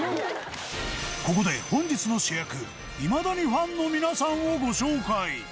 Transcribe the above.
ここで本日の主役いまだにファンの皆さんをご紹介。